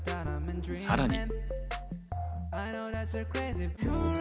さらに。